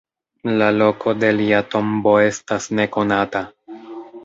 La loko de lia tombo estas nekonata.